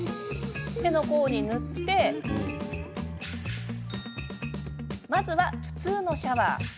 手の甲に塗ってまずは、普通のシャワー。